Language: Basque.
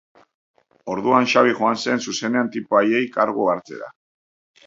Orduan Xabi joan zen zuzenean tipo haiei kargu hartzera.